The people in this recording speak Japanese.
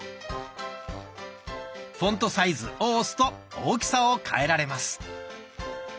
「フォントサイズ」を押すと大きさを変えられます。